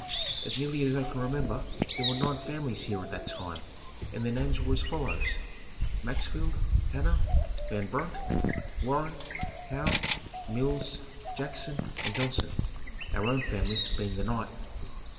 As nearly as I can remember there were nine families here at that time and their names were as follows: Maxfield, Hanna, Van Brunt, Warren, Howe, Mills, Jackson and Johnson, our own family being the ninth.